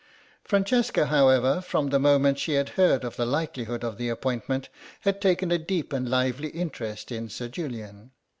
Francesca, however, from the moment she had heard of the likelihood of the appointment, had taken a deep and lively interest in Sir Julian.